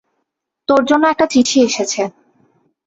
তোর জন্য একটা চিঠি এসেছে।